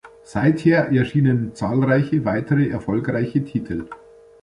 Seither erschienen zahlreiche weitere erfolgreiche Titel.